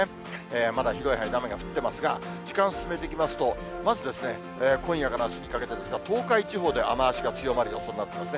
まだ広い範囲で雨が降っていますが、時間を進めていきますと、まず、今夜からあすにかけて、東海地方で雨足が強まる予想になってますね。